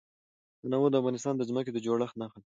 تنوع د افغانستان د ځمکې د جوړښت نښه ده.